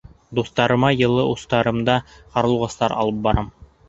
Дуҫтарыма йылы устарымда ҡарлуғастар алып барам.